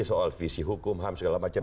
soal visi hukum ham segala macam